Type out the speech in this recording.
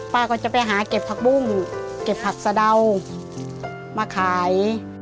ก็จะไปหาเก็บผักบุ้งเก็บผักสะเดามาขาย